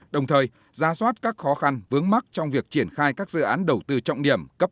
đồng thời ra soát các khó khăn vướng mắt trong việc triển khai các dự án đầu tư trọng điểm cấp